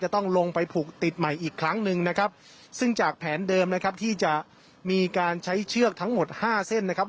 ต้องลงไปผูกติดใหม่อีกครั้งหนึ่งนะครับซึ่งจากแผนเดิมนะครับที่จะมีการใช้เชือกทั้งหมดห้าเส้นนะครับ